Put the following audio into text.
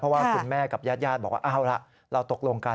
เพราะว่าคุณแม่กับญาติญาติบอกว่าเอาล่ะเราตกลงกัน